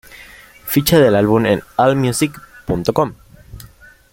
Ficha del álbum en allmusic.com